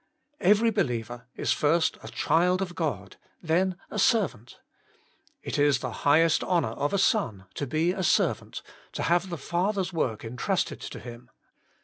Every believer is first a child of God, then a servant. It is the high est honour of a son to be a servant, to have the father's work entrusted to him.